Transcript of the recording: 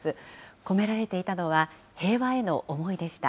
込められていたのは平和への思いでした。